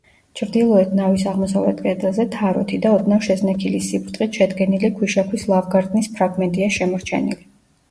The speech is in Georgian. ჩრდილოეთ ნავის აღმოსავლეთ კედელზე თაროთი და ოდნავ შეზნექილი სიბრტყით შედგენილი ქვიშაქვის ლავგარდნის ფრაგმენტია შემორჩენილი.